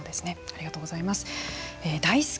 ありがとうございます。